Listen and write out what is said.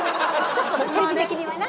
ちょっとテレビ的にはな。